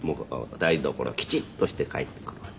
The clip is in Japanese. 台所きちっとして帰ってくるわけ。